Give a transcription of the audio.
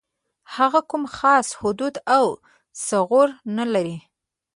هغه کوم خاص حدود او ثغور نه لري.